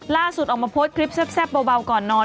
ล่าสุดออกมาโพสต์คลิปแซ่บเบาก่อนนอน